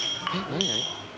何？